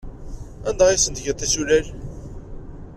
Anda ay asen-tgiḍ tisulal?